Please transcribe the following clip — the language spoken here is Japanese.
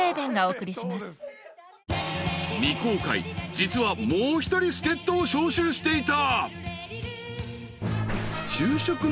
［実はもう一人助っ人を招集していた］